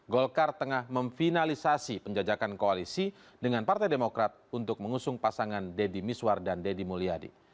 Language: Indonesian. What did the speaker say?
golkar tengah memfinalisasi penjajakan koalisi dengan partai demokrat untuk mengusung pasangan deddy miswar dan deddy mulyadi